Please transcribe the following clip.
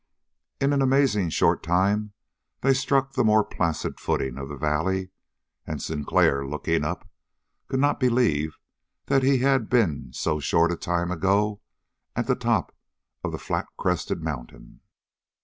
In an amazingly short time they struck the more placid footing of the valley, and Sinclair, looking up, could not believe that he had been so short a time ago at the top of the flat crested mountain.